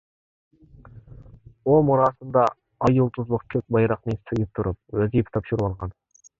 ئۇ مۇراسىمدا ئاي يۇلتۇزلۇق كۆك بايراقنى سۆيۈپ تۇرۇپ، ۋەزىپە تاپشۇرۇۋالغان.